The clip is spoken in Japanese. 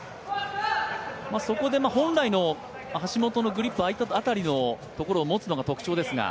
そこで本来の橋本のグリップ空いた辺りを持つのが特徴ですが。